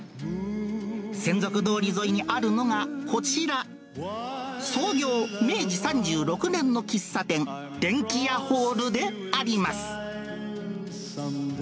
せんぞく通り沿いにあるのが、こちら、創業明治３６年の喫茶店、デンキヤホールであります。